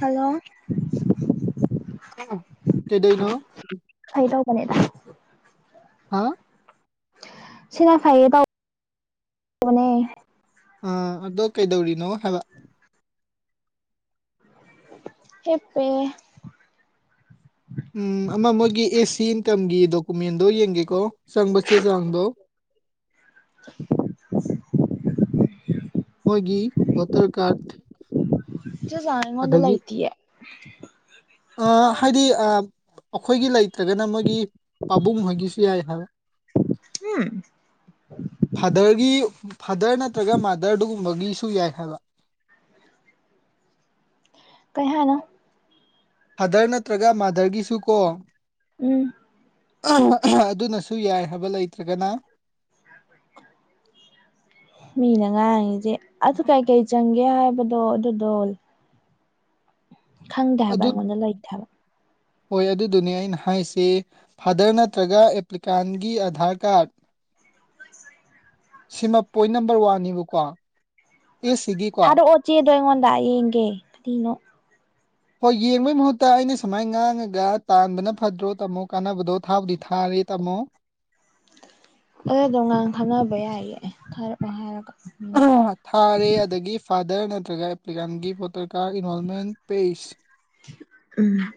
hello ꯀꯩꯗꯣꯏꯅꯣ ꯐꯩ ꯇꯧꯕꯅꯦꯗ ꯍꯥ ꯁꯤꯅꯥ ꯐꯩꯌꯦ ꯇꯧꯕꯅꯦ ꯑꯥ ꯑꯗꯣ ꯀꯩꯗꯧꯔꯤꯅꯣ ꯍꯥꯏꯕ ꯑꯦꯞ ꯄꯦ ꯎꯝ ꯑꯃ ꯃꯣꯏꯒꯤ ꯑꯦ ꯁꯤ ꯏꯟꯀꯝꯒꯤ ꯗꯣꯀꯨꯃꯦꯟꯗꯣ ꯌꯦꯡꯒꯦꯀꯣ ꯆꯪꯕ ꯆꯦ ꯆꯥꯡꯗꯣ [inaudible] ꯃꯣꯏꯒꯤ ꯕꯣꯇꯔ ꯀꯥꯔꯠ ꯆꯤꯆꯥꯡ ꯑꯩꯉꯣꯟꯗ ꯂꯩꯇꯤꯌꯦ ꯑꯥ ꯍꯥꯏꯗꯤ ꯑꯥꯞ ꯑꯩꯈꯣꯏꯒꯤ ꯂꯩꯇ꯭ꯔꯒꯅ ꯃꯣꯏꯒꯤ ꯄꯕꯨꯡ ꯍꯣꯏꯒꯤꯁꯨ ꯌꯥꯏ ꯍꯥꯕ ꯐꯥꯗꯔꯒꯤ ꯐꯥꯗꯔ ꯅꯠꯇ꯭ꯔꯒ ꯃꯥꯗꯔ ꯗꯨꯒꯨꯝꯕꯒꯤꯁꯨ ꯌꯥꯏ ꯍꯥꯏꯕ ꯀꯩ ꯍꯥꯏꯅꯣ ꯐꯗꯔ ꯅꯠꯇ꯭ꯔꯒ ꯃꯥꯗꯔꯒꯤꯁꯨꯀꯣ ꯎꯝ [unintelligible] ꯑꯗꯨꯅꯁꯨ ꯌꯥꯏ ꯍꯥꯏꯕ ꯂꯩꯇ꯭ꯔꯒꯅ ꯃꯤꯅ ꯉꯥꯡꯉꯤꯁꯦ ꯑꯗꯨ ꯀꯩꯀꯩ ꯆꯪꯒꯦ ꯍꯥꯏꯕꯗꯣ ꯑꯗꯨꯗꯣ ꯈꯪꯗꯦ ꯍꯥꯏꯕ ꯑꯗꯨ ꯑꯩꯉꯣꯟꯗ ꯂꯩꯇꯦ ꯍꯥꯏꯕ ꯍꯣꯏ ꯑꯗꯨꯗꯨꯅꯦ ꯑꯩꯅ ꯍꯥꯏꯁꯦ ꯐꯥꯗꯔ ꯅꯠꯇ꯭ꯔꯒ ꯑꯦꯄ꯭ꯂꯤꯀꯥꯟꯒꯤ ꯑꯙꯥꯔ ꯀꯥꯔꯠ [inaudible] ꯁꯤꯃ ꯄꯣꯏꯟ ꯅꯝꯕꯔ ꯋꯥꯟꯅꯤꯕꯀꯣ ꯑꯦꯁ ꯁꯤꯒꯤ ꯊꯥꯔꯛꯑꯣ ꯆꯦꯗꯣ ꯑꯩꯉꯣꯟꯗ ꯌꯦꯡꯒꯦ ꯀꯔꯤꯅꯣ ꯍꯣꯏ ꯌꯦꯡꯕꯩ ꯃꯍꯨꯠꯇ ꯑꯩꯅ ꯁꯨꯃꯥꯏ ꯉꯥꯡꯉꯒ ꯇꯥꯟꯕꯅ ꯐꯠꯇ꯭ꯔꯣ ꯇꯥꯃꯣ ꯀꯥꯟꯅꯕꯗꯣ ꯊꯥꯕꯨꯗꯤ ꯊꯥꯔꯦ ꯇꯥꯃꯣ ꯑꯗꯨꯗꯣ ꯉꯥꯡ ꯈꯟꯅꯕ ꯌꯥꯏꯌꯦ ꯊꯥꯔꯛꯑꯣ ꯍꯥꯏꯔꯒ ꯃꯤꯅ ꯊꯥꯔꯦ ꯑꯗꯒꯤ ꯐꯥꯗꯔ ꯅꯠꯇ꯭ꯔꯒ ꯑꯦꯄ꯭ꯂꯤꯀꯥꯟꯒꯤ voter card enrolment paste um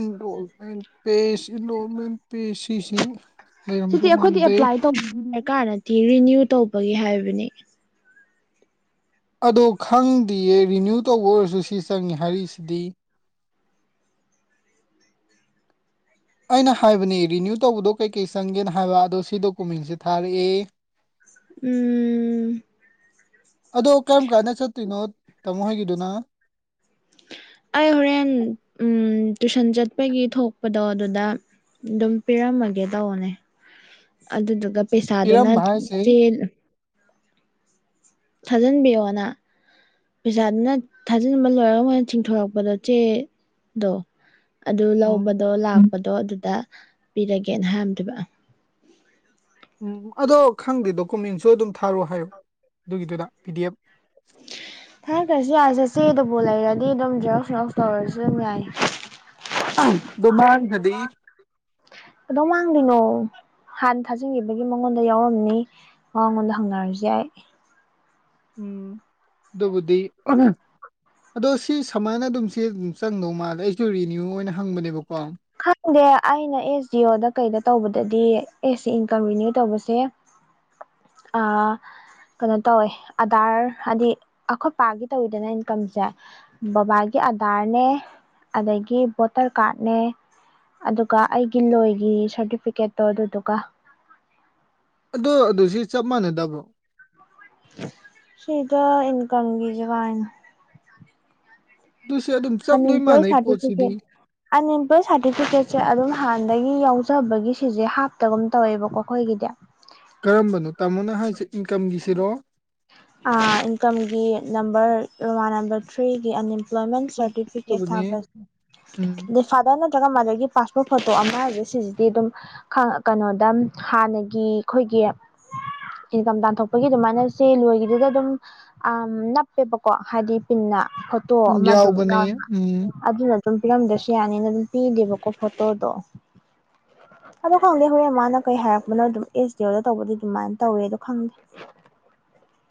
enrolment paste enrolment ꯄꯦ ꯁꯤꯁꯤ ꯂꯩꯔꯝꯗꯧ ꯃꯥꯟꯗꯦ [unintelligible] ꯀꯥꯔꯗꯤ ꯔꯤꯅ꯭ꯌꯨ ꯇꯧꯕꯒꯤ ꯍꯥꯏꯕꯅꯦ ꯑꯗꯣ ꯈꯪꯗꯤꯌꯦ ꯔꯤꯅ꯭ꯌꯨ ꯇꯧꯕ ꯑꯣꯏꯔꯁꯨ ꯁꯤ ꯆꯪꯉꯦ ꯍꯥꯏꯔꯤꯁꯤꯗꯤ ꯑꯩꯅ ꯍꯥꯏꯕꯅꯦ ꯔꯤꯅ꯭ꯌꯨ ꯇꯧꯕꯗꯣ ꯀꯩꯀꯩ ꯆꯪꯒꯦꯅ ꯍꯥꯏꯕ ꯑꯗꯣ ꯁꯤ ꯗꯣꯀꯨꯃꯦꯟꯁꯦ ꯊꯥꯔꯛꯑꯦ ꯎꯝ ꯑꯗꯣ ꯀꯔꯝ ꯀꯥꯟꯗ ꯆꯠꯇꯣꯏꯅꯣ ꯇꯥꯃꯣ ꯍꯣꯏꯒꯤꯗꯨꯅ ꯑꯩ ꯍꯣꯔꯦꯟ ꯎꯝ ꯇꯨꯏꯁꯟ ꯆꯠꯄꯒꯤ ꯊꯣꯛꯄꯗꯣ ꯑꯗꯨꯗ ꯑꯗꯨꯝ ꯄꯤꯔꯝꯃꯒꯦ ꯇꯧꯕꯅꯦ ꯑꯗꯨꯗꯨꯒ ꯄꯩꯁꯥꯗꯨꯅ ꯄꯤꯔꯝꯕ ꯍꯥꯏꯁꯦ ꯆꯦꯟ ꯊꯥꯖꯟꯕꯤꯌꯣꯅ ꯄꯩꯁꯥꯗꯨꯅ ꯊꯥꯖꯤꯟꯕ ꯂꯣꯏꯔ ꯃꯣꯏꯅ ꯆꯤꯡꯊꯣꯔꯛꯄꯗꯣ ꯆꯦꯗꯣ ꯑꯗꯨ ꯎꯝ ꯂꯧꯕꯗꯣ ꯂꯥꯛꯄꯗꯣ ꯑꯗꯨꯗ ꯄꯤꯔꯒꯦꯅ ꯍꯥꯏꯔꯝꯗꯣꯏꯕ ꯎꯝ ꯑꯗꯣ ꯈꯪꯗꯦ ꯗꯣꯀꯨꯃꯦꯟꯁꯨ ꯑꯗꯨꯝ ꯊꯥꯔꯣ ꯍꯥꯏꯌꯣ ꯑꯗꯨꯒꯤꯗꯨꯗ ꯄꯤꯗꯤꯑꯦꯐ ꯊꯥꯔꯛꯇꯁꯨ ꯌꯥꯏꯔꯦꯆꯦ ꯆꯦꯗꯨꯕꯨ ꯂꯩꯔꯗꯤ ꯑꯗꯨꯝ ꯖꯦꯔꯣꯛꯁ ꯖꯦꯔꯣꯛꯁ ꯇꯧꯔꯖꯨ ꯎꯨꯝ ꯌꯥꯏ [unintelligible] ꯗꯣ ꯃꯥꯡꯈ꯭ꯔꯗꯤ ꯀꯩꯗꯧ ꯃꯥꯡꯗꯣꯏꯅꯣ ꯍꯥꯟ ꯊꯥꯖꯤꯟꯒꯤꯕꯒꯤ ꯃꯉꯣꯟꯗ ꯌꯥꯎꯔꯝꯅꯤ ꯃꯉꯣꯟꯗ ꯍꯪꯅꯔꯖꯨ ꯌꯥꯏ ꯎꯝ ꯗꯨꯕꯨꯗꯤ ꯑꯗꯣ ꯁꯤ ꯁꯃꯥꯏꯅ ꯑꯗꯨꯝ ꯆꯦ ꯗꯨꯝ ꯆꯪꯗꯧ ꯃꯥꯜꯂꯦ ꯑꯩꯁꯨ ꯔꯤꯅ꯭ꯌꯨ ꯑꯣꯏꯅ ꯍꯪꯕꯅꯦꯕꯀꯣ ꯈꯪꯗꯦ ꯑꯩꯅ ꯑꯦꯁ ꯗꯤ ꯑꯣꯗ ꯀꯩꯗ ꯇꯧꯕꯗꯗꯤ ꯑꯦꯁ ꯏꯟꯀꯝ ꯔꯤꯅ꯭ꯌꯨ ꯇꯧꯕꯁꯦ ꯑꯥ ꯀꯩꯅꯣ ꯇꯧꯋꯦ ꯑꯙꯔ ꯑꯥꯗꯤ ꯑꯈꯣꯏ ꯄꯥꯒꯤ ꯇꯧꯋꯤꯗꯅ ꯏꯟꯀꯝꯒꯤꯁꯦ ꯕꯕꯥꯒꯤ ꯑꯗ꯭ꯥꯔꯅꯦ ꯑꯗꯒꯤ ꯚꯣꯇꯔ ꯀꯥꯔꯠꯅꯦ ꯑꯗꯨꯒ ꯑꯩꯒꯤ ꯂꯣꯏꯒꯤ ꯁꯥꯔꯇꯤꯐꯤꯀꯦꯠꯇꯣ ꯑꯗꯨꯗꯨꯒ ꯑꯗꯣ ꯑꯗꯨꯁꯤ ꯆꯞ ꯃꯥꯟꯅꯗꯕ꯭ꯔꯣ ꯁꯤꯗ ꯏꯟꯀꯝꯒꯤꯖꯦ ꯀꯥꯏꯅꯣ ꯑꯗꯨꯁꯨ ꯑꯗꯨꯝ ꯆꯞ ꯂꯣꯏ ꯑꯟꯏꯝꯄ꯭ꯂꯣꯏ ꯃꯥꯟꯅꯩ ꯄꯣꯠꯁꯤꯗꯤ ꯁꯔꯇꯤꯐꯤꯀꯦꯠ ꯑꯟꯏꯝꯄ꯭ꯂꯣꯏ ꯁꯥꯔꯇꯤꯐꯤꯀꯦꯠꯁꯦ ꯑꯗꯨꯝ ꯍꯥꯟꯅꯗꯒꯤ ꯌꯥꯎꯖꯕꯒꯤ ꯁꯤꯁꯦ ꯍꯥꯞꯇꯕꯒꯨꯝ ꯇꯧꯋꯦꯕꯀꯣ ꯑꯩꯈꯣꯏꯒꯤꯗꯤ ꯀꯔꯝꯕꯅꯣ ꯇꯥꯃꯣꯅ ꯍꯥꯏꯖꯦ ꯏꯟꯀꯝꯒꯤꯁꯤꯔꯣ ꯑꯥ ꯏꯟꯀꯝꯒꯤ ꯅꯝꯕꯔ ꯔꯣꯃꯥꯟ ꯅꯝꯕꯔ ꯊ꯭ꯔꯤꯒꯤ ꯑꯅꯤ ꯄ꯭ꯂꯣꯏꯃꯦꯟ ꯁꯔꯇꯤꯐꯤꯀꯦꯠ ꯊꯥꯕ ꯎꯝ ꯐꯥꯗꯔ ꯅꯠꯇ꯭ꯔꯒ ꯃꯥꯗꯔꯒꯤ ꯄꯥꯁꯄꯣꯔꯠ ꯐꯣꯇꯣ ꯑꯃ ꯍꯥꯏꯁꯦ ꯁꯤꯁꯤꯗꯤ ꯑꯗꯨꯝ ꯀꯩꯅꯣꯗ ꯍꯥꯟꯅꯒꯤ ꯑꯩꯈꯣꯏꯒꯤ ꯏꯟꯀꯝ ꯇꯥꯟꯊꯣꯛꯄꯒꯤ ꯑꯗꯨꯃꯥꯏꯅ ꯁꯤ ꯂꯣꯏꯒꯤꯗꯨꯗ ꯑꯗꯨꯝ ꯑ ꯅꯞꯄꯦꯕꯀꯣ ꯍꯥꯏꯗꯤ ꯄꯤꯟꯅ ꯇꯣ ꯑꯃ ꯑꯗꯨꯝ ꯌꯥꯎꯕꯅꯦ ꯌꯥꯎꯕ ꯎꯝ ꯑꯗꯨꯅ ꯑꯗꯨꯨꯝ ꯄꯤꯔꯝꯗ꯭ꯔꯁꯨ ꯌꯥꯅꯤꯅ ꯑꯗꯨꯝ ꯄꯤꯗꯦꯕꯀꯣ ꯐꯣꯇꯣꯗꯣ ꯑꯗꯣ ꯈꯪꯗꯦ ꯍꯣꯔꯦꯟ ꯃꯥꯅ ꯀꯩ ꯍꯥꯏꯔꯛꯄꯅꯣ ꯑꯗꯨꯝ ꯑꯦꯁ ꯗꯤ ꯑꯣꯗ ꯇꯧꯕꯗꯤ ꯑꯗꯨꯃꯥꯏꯟ ꯇꯧꯋꯦ ꯑꯗꯣ ꯈꯪꯗꯦ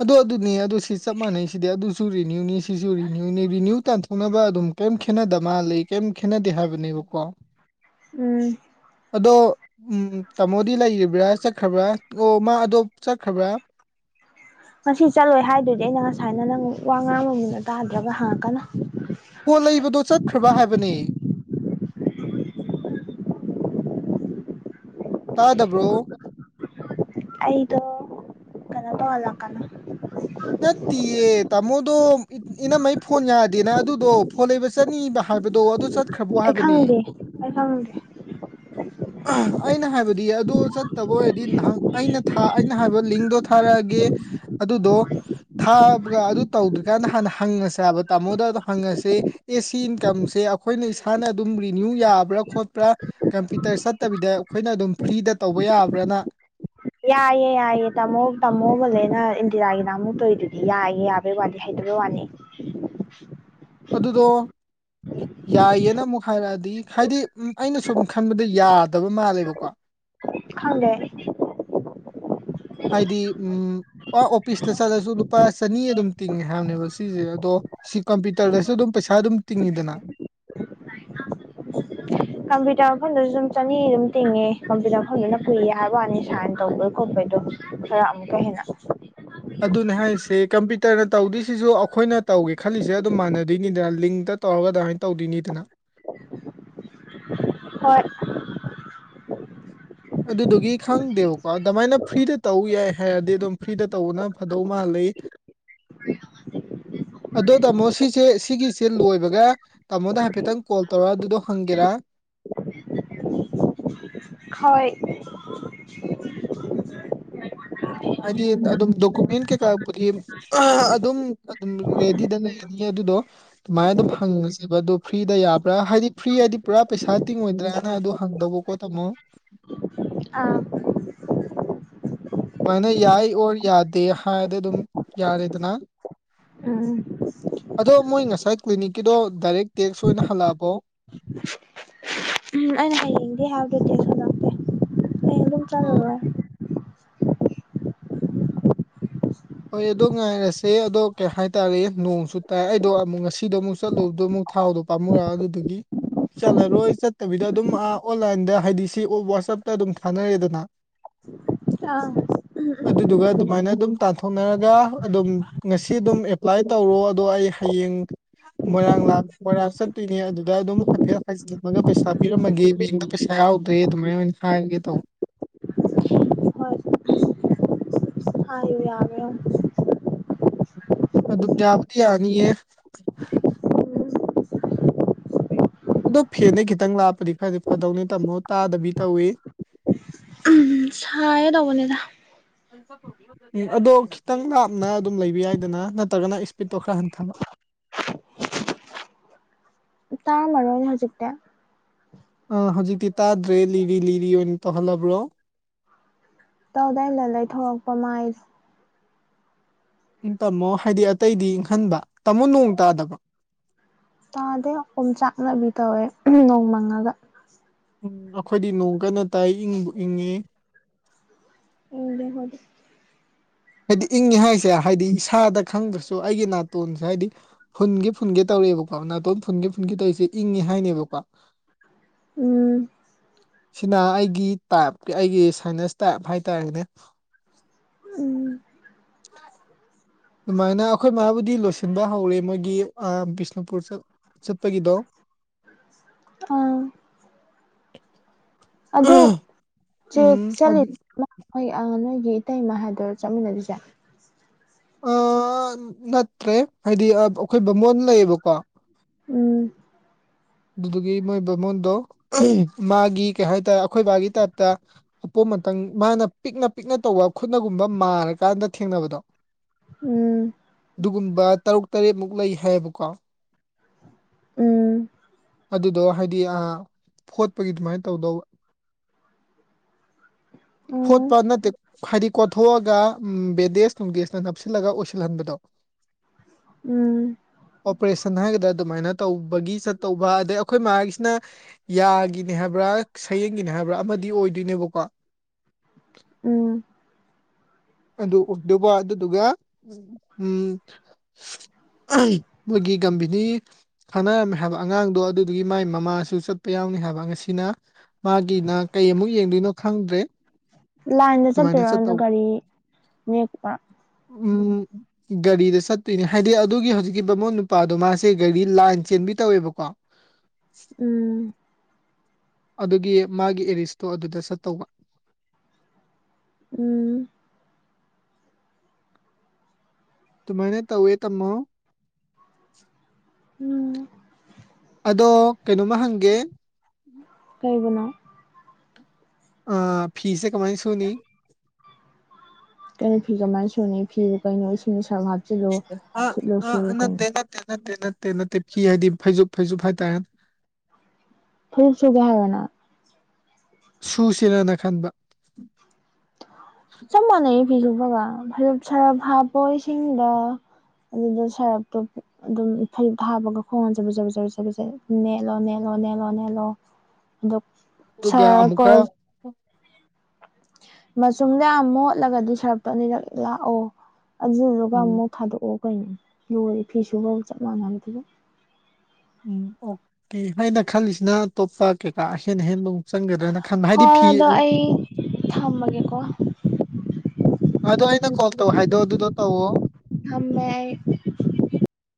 ꯑꯗꯨ ꯑꯗꯨꯅꯤ ꯑꯗꯨ ꯁꯤ ꯆꯞ ꯃꯥꯟꯅꯩ ꯁꯤꯗꯤ ꯑꯗꯨꯁꯨ ꯔꯤꯅ꯭ꯌꯨꯅꯤ ꯁꯤꯁꯨ ꯔꯤꯅ꯭ꯌꯨꯅꯤ ꯔꯤꯅ꯭ꯌꯨ ꯇꯥꯟ ꯊꫭꯛꯅꯕ ꯑꯗꯨꯝ ꯀꯩꯝ ꯈꯦꯠꯅꯗ ꯃꯥꯂꯤ ꯀꯩꯝ ꯈꯦꯠꯅꯗꯦ ꯍꯥꯏꯕꯅꯦꯕꯀꯣ ꯎꯝ ꯑꯗꯣ ꯎꯝ ꯇꯥꯃꯣꯗꯤ ꯂꯩꯔꯤꯕ꯭ꯔ ꯆꯠꯈ꯭ꯔꯕ꯭ꯔ ꯑꯣ ꯃꯥ ꯑꯗꯣ ꯆꯠꯈ꯭ꯔꯕ꯭ꯔ ꯉꯁꯤ ꯆꯠꯂꯣꯏ ꯍꯥꯏꯗꯨꯗꯤ ꯑꯩꯅ ꯉꯁꯥꯏꯅ ꯅꯪ ꯋꯥ ꯉꯥꯡꯕ ꯃꯨꯟꯅ ꯇꯥꯗ꯭ꯔꯒ ꯍꯪꯉꯛꯀꯅꯨ ꯄꯣꯠ ꯂꯩꯕꯗꯣ ꯆꯠꯈ꯭ꯔꯕ ꯍꯥꯏꯕꯅꯦ ꯇꯥꯗꯕ꯭ꯔꯣ ꯑꯩꯗꯣ ꯀꯅꯣ ꯇꯧꯍꯜꯂꯛꯀꯅꫭ ꯅꯠꯇꯤꯌꯦ ꯇꯥꯃꯣꯗꯣ ꯏꯅꯝꯃꯩ ꯐꯣꯟ ꯌꯥꯗꯦꯅ ꯑꯗꯨꯗꯣ ꯐꯣꯟ ꯂꯩꯕ ꯆꯠꯅꯤꯕ ꯍꯥꯏꯕꯗꯣ ꯑꯗꯨ ꯆꯠ ꯑꯩ ꯈꯪꯗꯦ ꯑꯩ ꯈꯪꯗꯦ [unintelligible] ꯑꯩꯅ ꯍꯥꯏꯕꯗꯤ ꯑꯗꯨ ꯆꯠꯇꯕ ꯑꯣꯏꯔꯗꯤ [unintelligible] ꯑꯩꯅ ꯊꯥ ꯑꯩꯅ ꯍꯥꯏꯕ ꯂꯤꯡꯗꯣ ꯊꯥꯔꯛꯑꯒꯦ ꯑꯗꯨꯗꯣ ꯊꯥꯕꯒ ꯑꯗꯨ ꯇꯧꯗ꯭ꯔꯤꯀꯥꯟꯗ ꯍꯥꯟꯅ ꯍꯪꯉꯁꯦ ꯍꯥꯏꯕ ꯇꯥꯃꯣꯗ ꯍꯥꯟꯅ ꯍꯪꯉꯁꯤ ꯑꯦ ꯁꯤ ꯏꯟꯀꯝꯁꯦ ꯑꯩꯈꯣꯏꯅ ꯏꯁꯥꯅ ꯑꯗꯨꯝ ꯔꯤꯅ꯭ꯌꯨ ꯌꯥꯕ꯭ꯔ ꯈꯣꯠꯄ꯭ꯔ ꯀꯝꯄꯤ ꯇꯔ ꯆꯠꯇꯕꯤꯗ ꯑꯩꯈꯣꯏꯅ ꯑꯗꯨꯝ ꯐ꯭ꯔꯤꯗ ꯇꯧꯕ ꯌꯥꯕ꯭ꯔꯅ ꯌꯥꯏꯌꯦ ꯌꯥꯏꯌꯦ ꯇꯥꯃꯣ ꯇꯝꯃꯣ ꯕꯥꯂꯦꯟꯅ ꯏꯟꯗꯤꯔꯥꯒꯤ ꯅꯥꯍꯟꯃꯨꯛ ꯇꯧꯋꯤꯗꯨꯗꯤ ꯌꯥꯏꯌꯦ ꯌꯥ ꯕꯩ ꯋꯥꯗꯤ ꯍꯩꯇꯕꯩ ꯋꯥꯅꯦ ꯑꯗꯨꯗꯣ ꯌꯥꯏꯌꯦꯅ ꯑꯃꯨꯛ ꯍꯥꯏꯔꯛꯑꯗꯤ ꯍꯥꯏꯗꯤ ꯑꯩꯅ ꯁꯨꯝ ꯈꯟꯕꯗ ꯌꯥꯗꯕ ꯃꯥꯜꯂꯦꯕꯀꯣ ꯈꯪꯗꯦ ꯍꯥꯏꯗꯤ ꯎꯝ ꯑꯣꯄꯤꯁꯇ ꯆꯠꯂꯁꯨ ꯂꯨꯄꯥ ꯆꯅꯤ ꯑꯗꯨꯝ ꯇꯤꯡꯉꯦ ꯍꯥꯏꯕꯅꯦꯕ ꯁꯤꯁꯦ ꯑꯗꯣ ꯁꯤ ꯀꯝꯄ꯭ꯌꯨꯇꯔꯗꯁꯨ ꯑꯗꯨꯝ ꯄꯩꯁꯥ ꯑꯗꯨꯝ ꯇꯤꯡꯉꯤꯗꯅ ꯀꯝꯄ꯭ꯌꯨꯇꯔ ꯃꯐꯝꯗꯨꯖꯨ ꯑꯗꯨꯝ ꯆꯅꯤ ꯑꯗꯨꯝ ꯇꯤꯡꯉꯦ ꯀꯝꯄ꯭ꯌꯨꯇꯔ ꯃꯐꯝꯗꯅ ꯀꯨꯏ ꯍꯥꯏꯕ ꯋꯥꯅꯤ ꯁꯥꯏꯟ ꯇꯧꯕ ꯈꯣꯠꯄꯩꯗꯣ ꯈꯔ ꯑꯃꯨꯛꯀ ꯍꯦꯟꯅ ꯑꯗꯨꯅꯦ ꯍꯥꯏꯁꯦ ꯀꯝꯄ꯭ꯌꯨꯇꯔꯅ ꯇꯧꯗꯣꯏꯁꯤꯁꯨ ꯑꯩꯈꯣꯏꯅ ꯇꯧꯒꯦ ꯈꯜꯂꯤꯁꯦ ꯑꯗꯨꯝ ꯃꯥꯟꯅꯗꯨꯏꯅꯤꯗꯅ ꯂꯤꯡꯇ ꯇꯧꯔꯒ ꯑꯗꯨꯃꯥꯏ ꯇꯧꯗꯣꯏꯅꯤꯗꯅ ꯍꯣꯏ ꯑꯗꯨꯗꯨꯒꯤ ꯈꯪꯗꯦꯕꯀꯣ ꯑꯗꯨꯃꯥꯏꯅ ꯐ꯭ꯔꯤꯗ ꯇꯧ ꯌꯥꯏ ꯍꯥꯏꯔꯗꯤ ꯑꯗꯨꯝ ꯐ꯭ꯔꯤꯗ ꯇꯧꯕꯅ ꯐꯗꯧ ꯃꯥꯟꯂꯤ [inaudible] ꯑꯗꯣ ꯇꯥꯃꯣ ꯁꯤꯁꯦ ꯁꯤꯒꯤꯁꯦ ꯂꯣꯏꯕꯒ ꯇꯥꯃꯣꯗ ꯍꯥꯏꯐꯦꯠꯇꯪ ꯀꯣꯜ ꯇꯧꯔ ꯑꯗꯨꯗꯣ ꯍꯪꯒꯦꯔ ꯍꯣꯏ ꯎꯝ ꯍꯥꯏꯗꯤ ꯑꯗꯨꯝ ꯗꯣꯀꯨꯃꯦꯟ ꯀꯩꯀꯕꯨꯗꯤ ꯑꯥꯍ ꯑꯗꯨꯝ ꯑꯗꯨꯝ ꯔꯦꯗꯤꯗ ꯂꯩꯔꯅꯤ ꯑꯗꯨꯗꯣ ꯑꯗꯨꯃꯥꯏꯅ ꯑꯗꯨꯝ ꯍꯪꯉꯁꯦꯕ ꯑꯗꯨꯣ ꯐ꯭ꯔꯤꯗ ꯌꯥꯕ꯭ꯔꯥ ꯍꯥꯏꯗꯤ ꯐ꯭ꯔꯤ ꯍꯥꯏꯗꯤ ꯄꯨꯔꯥ ꯄꯩꯁꯥ ꯇꯤꯡꯉꯣꯏꯗ꯭ꯔꯥꯅ ꯑꯗꯨ ꯍꯪꯗꯧꯕ ꯀꯣ ꯇꯥꯃꯣ ꯑꯥ ꯑꯗꯨꯨꯃꯥꯏꯅ ꯌꯥꯏ ꯑꯣꯔ ꯌꯥꯗꯦ ꯍꯥꯏꯔꯗꯤ ꯑꯗꯨꯝ ꯌꯥꯔꯦꯗꯅ ꯎꯝ ꯑꯗꯣ ꯃꯣꯏ ꯉꯁꯥꯏ ꯀ꯭ꯂꯤꯅꯤꯛꯀꯤꯗꯣ ꯗꯥꯏꯔꯦꯛ ꯇꯦꯛꯁ ꯑꯣꯏꯅ ꯍꯜꯂꯛꯑꯕꯣ ꯎꯝ ꯑꯩꯅ ꯍꯌꯦꯡꯗꯤ ꯍꯥꯏꯕꯗꯨ ꯇꯦꯛꯁ ꯍꯟꯂꯛꯇꯦ ꯍꯌꯦꯡ ꯑꯗꯨꯝ ꯑ ꯆꯠꯂꯔꯣ ꯍꯣꯏ ꯑꯗꯣ ꯉꯥꯏꯔꯁꯦ ꯑꯗꯣ ꯀꯩ ꯍꯥꯏꯇꯥꯔꯦ ꯅꯣꯡꯁꯨ ꯇꯥꯏ ꯑꯩꯗꯣ ꯑꯃꯨꯛ ꯉꯁꯤꯗꯣ ꯑꯃꯨꯛ ꯆꯠꯂꯨꯕꯗꯣ ꯑꯃꯨꯛ ꯊꯥꯎꯗꯣ ꯄꯥꯝꯃꯨꯔꯛꯑꯕ ꯑꯗꯨꯗꯨꯒꯤ ꯆꯠꯂꯔꯣꯏ ꯆꯠꯇꯕꯤꯗ ꯑꯗꯨꯝ ꯑ ꯑꯣꯟꯂꯥꯏꯟꯗ ꯍꯥꯏꯗꯤ ꯁꯤ ꯋꯥꯆꯞꯇ ꯑꯗꯨꯝ ꯊꯥꯅꯔꯦꯗꯅ ꯑ ꯑꯗꯨꯗꯨꯒ ꯑꯗꯨꯃꯥꯏꯅ ꯑꯗꯨꯝ ꯇꯥꯟꯊꯣꯛꯅꯔꯒ ꯑꯗꯨꯝ ꯉꯁꯤ ꯑꯗꯨꯝ ꯑꯦꯄ꯭ꯂꯥꯏ ꯇꯧꯔꯣ ꯑꯗꯣ ꯑꯩ ꯍꯌꯦꯡ ꯃ‌ꯣꯏꯔꯥꯡ ꯂꯥꯛ ꯃ‌ꯣꯏꯔꯥꯡ ꯆꯠꯇ‌ꯣꯏꯅ‌ꯦ ꯑꯗꯨꯗ ꯑꯗꯨꯝ ꯍꯥꯏꯐꯦꯠ ꯍꯥꯏꯖꯟꯂꯒ ꯄꯩꯁꯥ ꯄꯤꯔꯝꯃꯒꯦ ꯕꯦꯡꯗ ꯄꯩꯁꯥ ꯌꯥꯥꯎꯗꯦ ꯑꯗꯨꯃꯥꯏ ꯑꯣꯏꯅ ꯈꯥꯏꯔꯒꯦ ꯇꯧꯕ ꯍꯥꯌꯨ ꯌꯥꯕ꯭ꯔꯥ ꯌꯦꯡꯉꯨ ꯑꯗꯨꯝ ꯌꯥꯕꯨꯗꯤ ꯌꯥꯅꯤꯌꯦ ꯌꯦꯡꯉꯣ ꯑꯗꯣ ꯐꯦꯟꯗꯩ ꯈꯤꯇꯪ ꯂꯥꯞꯄꯗꯤ ꯈꯔꯗꯤ ꯐꯗꯧꯅꯤ ꯇꯥꯃꯣ ꯇꯥꯗꯕꯤ ꯇꯧꯏ ꯁꯥꯏꯌ‌ꯦ ꯇꯧꯕꯅꯤꯗ [unintelligible] ꯎꯝ ꯑꯗꯣ ꯈꯤꯇꯪ ꯂꯥꯞꯅ ꯑꯗꯨꯝ ꯂꯩꯕ ꯌꯥꯏꯗꯅ ꯅꯠꯇ꯭ꯔꯒꯅ ꯏꯁꯄꯤꯠꯇꯣ ꯈꯔ ꯍꯟꯊꯕ ꯇꯥꯔꯝꯃꯔꯣꯏ ꯅꯦ ꯍꯧꯖꯤꯛꯇꯤ ꯑ ꯍꯧꯖꯤꯛꯇꯤ ꯇꯥꯗ꯭ꯔꯦ ꯂꯤꯔꯤ ꯂꯤꯔꯤ ꯑꯣꯏꯅ ꯇꯧꯍꯜꯂꯕ꯭ꯔꯣ ꯇꯧꯗꯦ ꯑꯩꯅ ꯂꯩꯊꯣꯔꯛꯄ ꯃꯥꯏꯁꯦ ꯏꯪ ꯇꯥꯃꯣ ꯍꯥꯏꯗꯤ ꯑꯇꯩꯗꯤ ꯏꯪꯍꯟꯕ ꯇꯥꯃꯣ ꯅꯣꯡ ꯇꯥꯗꯕ꯭ꯔꯣ ꯇꯥꯗꯦ ꯑꯣꯝꯆꯥꯛꯅꯕꯤ ꯇꯧꯋꯦ ꯎꯝ ꯅꯣꯡ ꯃꯪꯉꯒ ꯎꯝ ꯑꯩꯈꯣꯏꯗꯤ ꯅꯣꯡ ꯀꯟꯅ ꯇꯥꯏ ꯏꯪꯕꯨ ꯏꯪꯉꯦ ꯏꯪꯗꯦ ꯑꯈꯣꯏꯗꯤ ꯍꯥꯏꯗꯤ ꯏꯪꯉꯦ ꯍꯥꯏꯁꯦ ꯍꯥꯏꯗꯤ ꯏꯁꯥꯗ ꯈꯪꯗ꯭ꯔꯁꯨ ꯑꯩꯒꯤ ꯅꯥꯇꯣꯟꯁꯦ ꯍꯥꯏꯗꯤ ꯐꯨꯟꯒ‌ꯦ ꯐꯨꯟꯒ‌ꯦ ꯇꯧꯔꯦꯕꯀꯣ ꯅꯥꯇꯣꯟ ꯐꯨꯟꯒ‌ꯦ ꯐꯨꯟꯒ‌ꯦ ꯇꯧꯔꯤꯁꯦ ꯏꯪꯉꯦ ꯍꯥꯏꯅꯦꯕꯀꯣ ꯎꯝ ꯁꯤꯅ ꯑꯩꯒꯤ ꯇꯥꯏꯞꯀꯤ ꯑꯩꯒꯤ ꯁꯥꯏꯅꯁ ꯇꯥꯏꯞ ꯍꯥꯏꯇꯥꯔꯦꯅꯦ ꯎꯝ ꯑꯗꯨꯃꯥꯏꯅ ꯑꯩꯈꯣꯏ ꯃꯥꯕꯨꯗꯤ ꯂꯣꯏꯁꯤꯟꯕ ꯍꯧꯔꯦ ꯃꯣꯏꯒꯤ ꯑ ꯕꯤꯁꯅꯨꯄꯨꯔ ꯆꯠ ꯆꯠꯄꯒꯤꯗꯣ ꯑꯥ ꯑꯗꯨ ꯆꯦꯛ ꯎꯝ ꯆꯠꯂꯤ ꯍꯥꯏꯗꯤ ꯍꯣꯏ ꯑ ꯅꯣꯏꯒꯤ ꯏꯇꯩꯃ ꯍꯥꯏꯗꯨꯔꯥ ꯆꯠꯃꯤꯟꯅꯗꯨꯏꯁꯦ ꯑꯥ ꯅꯠꯇ꯭ꯔꯦ ꯍꯥꯏꯗꯤ ꯑꯩꯈꯣꯏ ꯕꯥꯃꯣꯟ ꯂꯩꯌꯦꯕꯀꯣ ꯎꯝ ꯑꯗꯨꯗꯨꯒꯤ ꯃꯣꯏ ꯕꯃꯣꯟꯗꯣ ꯃꯥꯒꯤ ꯀꯩ ꯍꯥꯏꯇꯥꯔꯦ ꯑꯩꯈꯣꯏ ꯕꯥꯒꯤ ꯇꯥꯏꯞꯇ ꯑꯄꯣꯝ ꯑꯇꯪ ꯃꯥꯅ ꯄꯤꯛꯅ ꯄꯤꯛꯅ ꯇꯧꯕ ꯈꯨꯠꯅꯒꯨꯝꯕ ꯃꯥꯔꯀꯥꯟꯗ ꯊꯦꯡꯅꯕꯗꯣ ꯎꯝ ꯗꯨꯒꯨꯝꯕ ꯇꯔꯨꯛ ꯇꯔꯦꯠꯃꯨꯛ ꯂꯩ ꯍꯥꯏꯌꯦꯕꯀꯣ ꯎꯝ ꯑꯗꯨꯗꯣ ꯍꯥꯏꯗꯤ ꯑ ꯐꯣꯠꯄꯒꯤ ꯑꯗꯨꯃꯥꯏꯅ ꯇꯧꯗꯧꯕ ꯎꯝ ꯐꯣꯠꯄ ꯅꯠꯇꯦ ꯍꯥꯏꯗꯤ ꯀꯣꯠꯊꯣꯛꯑꯒ ꯕꯦꯟꯗꯦꯖ ꯅꯨꯡꯗꯦꯖꯅ ꯅꯞꯁꯤꯜꯂꯒ ꯑꯣꯏꯁꯤꯜꯍꯟꯕꯗꯣ ꯎꯝ ꯑꯣꯄꯔꯦꯁꯟ ꯍꯥꯏꯒꯗ꯭ꯔꯥ ꯑꯗꯨꯃꯥꯏꯅ ꯇꯧꯕꯒꯤ ꯆꯠꯇꯧꯕ ꯑꯗꯩ ꯑꯩꯈꯣꯏ ꯃꯥꯒꯤꯁꯤꯅ ꯌꯥꯒꯤꯅꯦ ꯍꯥꯏꯕ꯭ꯔꯥ ꯁꯌꯦꯡꯒꯤꯅꯦ ꯍꯥꯏꯕ꯭ꯔꯥ ꯑꯃꯗꯤ ꯑꯣꯏꯗꯣꯏꯅꯦꯕꯀꯣ ꯎꯝ ꯑꯗꯨ ꯎꯝꯗꯨꯕ ꯑꯗꯨꯗꯨꯒ ꯎꯝ ꯃꯣꯏꯒꯤ ꯒꯝꯕꯤꯅꯤ ꯊꯥꯅꯔꯝꯃꯤ ꯍꯥꯏꯕ ꯑꯉꯥꯡꯗꯣ ꯑꯗꯨꯗꯨꯒꯤ ꯃꯥꯏ ꯃꯃꯥꯁꯨ ꯆꯠꯄ ꯌꯥꯎꯅꯤ ꯍꯥꯏꯕ ꯉꯁꯤꯅ ꯃꯥꯒꯤꯅ ꯀꯩ ꯑꯃꯨꯛ ꯌꯦꯡꯗꯣꯏꯅꯣ ꯈꯪꯗ꯭ꯔꯦ ꯂꯥꯏꯟꯗ ꯑꯗꯨꯃꯥꯏꯅ ꯆꯠꯇꯣꯏꯔꯣ ꯑꯗꯣ ꯆꯠꯇꯧꯕ ꯒꯥꯔꯤ ꯅꯦꯛꯄ ꯎꯝ ꯒꯥꯔꯤꯗ ꯆꯠꯇꯣꯏꯅꯦ ꯍꯥꯏꯗꯤ ꯑꯗꯨꯒꯤ ꯍꯧꯖꯤꯛꯀꯤ ꯕꯃꯣꯟ ꯅꯨꯄꯥꯗꯣ ꯃꯥꯁꯦ ꯒꯥꯔꯤ ꯂꯥꯏꯟ ꯆꯦꯟꯕꯤ ꯇꯧꯋꯦꯕꯀꯣ ꯎꯝ ꯑꯗꯨꯒꯤ ꯃꯥꯒꯤ ꯑꯦꯔꯤꯁꯇꯣ ꯑꯗꯨꯗ ꯆꯠꯇꯧꯕ ꯎꯝ ꯗꯨꯃꯥꯏꯅ ꯇꯧꯋꯦ ꯇꯝꯃꯣ ꯎꯝ ꯑꯗꯣ ꯀꯩꯅꯣꯃ ꯍꯪꯒꯦ ꯀꯩꯕꯨꯅꯣ ꯑ ꯐꯤꯁꯦ ꯀꯃꯥꯏ ꯁꯨꯅꯤ ꯀꯩꯅꯣ ꯐꯤ ꯀꯃꯥꯏꯅ ꯁꯨꯅꯤ ꯐꯤꯕꯨ ꯀꯩꯅꯣ ꯏꯁꯤꯡꯗ ꯁꯔꯞ ꯍꯥꯞ ꯑꯥ ꯑꯥ ꯅꯠꯇꯦ ꯅꯠꯇꯦ ꯅꯠꯇꯦ ꯅꯠꯇꯦ ꯅꯠꯇꯦ ꯐꯤ ꯍꯥꯏꯗꯤ ꯐꯩꯖꯨꯞ ꯐꯩꯖꯨꯞ ꯍꯥꯏꯇꯥꯔꯦ ꯐꯩꯖꯨꯞ ꯁꯨꯒꯦ ꯍꯥꯏꯔꯣ ꯅꯪ ꯁꯨꯁꯤꯔꯅ ꯈꯟꯕ ꯆꯞ ꯃꯥꯟꯅꯩ ꯐꯤ ꯁꯨꯕꯒ ꯐꯩ ꯁꯔꯞ ꯍꯥꯞꯄꯣ ꯏꯁꯤꯡꯗ ꯑꯗꯨꯗꯣ ꯁꯔꯞ ꯇꯣꯞꯄꯤ ꯑꯗꯨꯝ ꯐꯩꯌꯨꯞꯇꯣ ꯍꯥꯞꯄꯒ ꯈꯣꯡꯅ ꯆꯕꯤꯠ ꯆꯕꯤꯠ ꯆꯕꯤꯠ ꯆꯕꯤꯠ ꯆꯕꯤꯠ ꯅꯦꯠꯂꯣ ꯅꯦꯠꯂꯣ ꯅꯦꯠꯂꯣ ꯅꯦꯠꯂꯣ ꯑꯗꯣ ꯑꯗꯨꯒ ꯁꯔꯞꯀ ꯑꯃꯨꯛꯀ ꯃꯆꯨꯝꯗꯣ ꯌꯥꯝ ꯃꯣꯠꯂꯒꯗꯤ ꯁꯔꯞꯇꯣ ꯑꯅꯤꯔꯛ ꯂꯥꯛꯑꯣ ꯑꯗꯨꯗꯨꯒ ꯎꯝ ꯑꯃꯨꯛ ꯊꯥꯗꯣꯛꯑꯣ ꯀꯩꯅꯣ ꯂꯣꯏꯔꯦ ꯐꯤꯁꯨꯕꯧ ꯆꯞ ꯃꯥꯟꯅꯕꯗꯨꯕꯨ ꯎꯝ ꯑꯣꯀꯦ ꯑꯩꯅ ꯈꯜꯂꯤꯁꯤꯅ ꯑꯇꯣꯞꯄ ꯀꯩꯀꯥ ꯑꯍꯦꯟ ꯑꯍꯦꯟꯕ ꯆꯪꯒꯗ꯭ꯔꯅ ꯈꯟꯕ ꯍꯥꯏꯗꯤ ꯍꯣꯏ ꯐꯤ ꯑꯗꯣ ꯑꯩ ꯊꯝꯃꯒꯦꯀꯣ ꯑꯗꯣ ꯑꯩ ꯅꯪ ꯀꯣꯜ ꯇꯧ ꯍꯥꯏꯗꯣ ꯑꯗꯨꯗꯣ ꯇꯧꯋꯣ ꯊꯝꯃꯦ ꯑꯩ